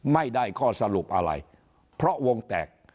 ไม่ได้ข้อสรุปอะไรเพราะวงแตก